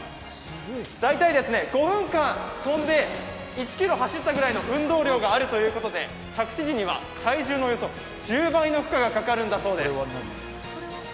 大体５分間跳んで、１ｋｍ走ったぐらいの運動量があるということで着地時には、体重のおよそ１０倍の力がかかるんだそうです。